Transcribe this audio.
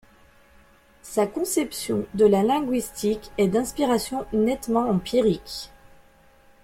Sa conception de la linguistique est d'inspiration nettement empirique.